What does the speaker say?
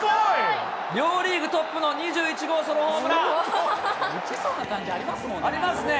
両リーグトップの２１号ソロホーム打てそうな感じありますもんね。